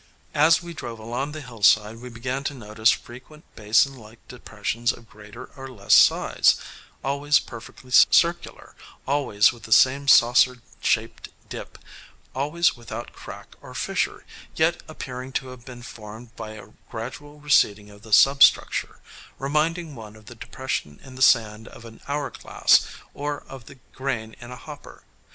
As we drove along the hillside we began to notice frequent basin like depressions of greater or less size, always perfectly circular, always with the same saucer shaped dip, always without crack or fissure, yet appearing to have been formed by a gradual receding of the substructure, reminding one of the depression in the sand of an hour glass or of the grain in a hopper.